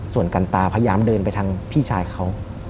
ส่วนกันตาพยายามเดินไปทางพี่ชายเขา